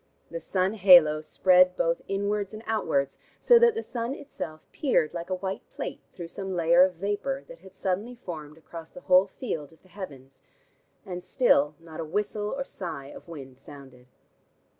The sun halo spread both inwards and outwards, so that the sun itself peered like a white plate through some layer of vapor that had suddenly formed across the whole field of the heavens. And still not a whistle or sigh of wind sounded.